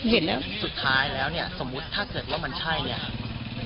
เสร็จแล้วสุดท้ายแล้วเนี่ยสมมุติถ้าเกิดว่ามันใช่เนี่ย